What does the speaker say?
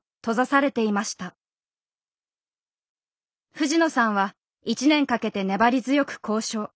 藤野さんは１年かけて粘り強く交渉。